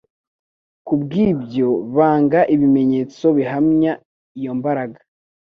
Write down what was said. kubw'ibyo, banga ibimenyetso bihamya iyo mbaraga